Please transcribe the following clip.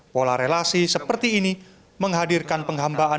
pola relasi seperti ini menghadirkan penghambaan